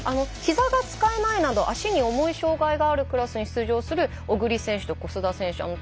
ひざが使えないなど足に重い障がいがある人が出場する小栗選手と小須田選手